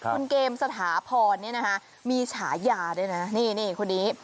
คุณเกมสถาพรเนี่ยนะคะมีฉายาด้วยนะนี่คนนี้